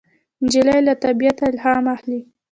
نجلۍ له طبیعته الهام اخلي.